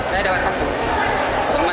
saya dapat satu